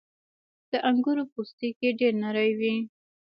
• د انګورو پوستکی ډېر نری وي.